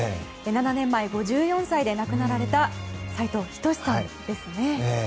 ７年前、５４歳で亡くなられた斉藤仁さんですね。